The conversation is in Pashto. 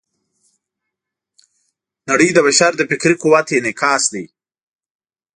نړۍ د بشر د فکري قوت انعکاس دی.